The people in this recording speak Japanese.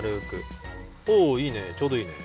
おいいね！